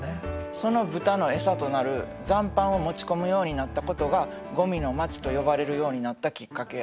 その豚の餌となる残飯を持ち込むようになったことが「ゴミの町」と呼ばれるようになったきっかけや。